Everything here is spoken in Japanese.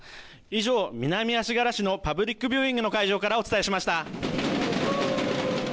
以上、南足柄市のパブリックビューイングの会場からお伝えしました。